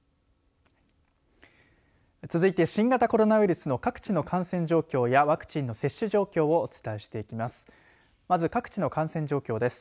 続いて、新型コロナウイルスの各地の感染状況やワクチンの接種状況をお伝えしていきます。